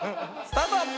スタート！